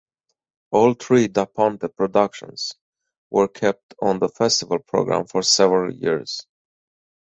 All three Da Ponte productions were kept on the festival program for several years.